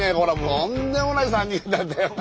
とんでもない３人なんだよな。